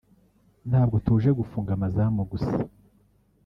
ntabwo tuje gufunga amazamu gusa